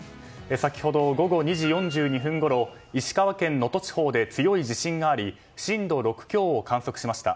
先ほど、午後２時４２分ごろ石川県能登地方で強い地震があり震度６強を観測しました。